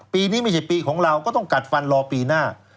ปีนี้ไม่ใช่ปีของเราก็ต้องกัดฟันรอปีหน้า